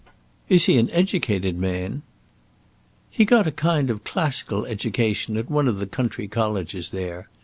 "Is he an educated man?" "He got a kind of classical education at one of the country colleges there.